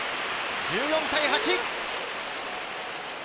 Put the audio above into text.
１４対８。